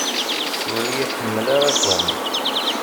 Ur iyi-ḥemmel ara Tom.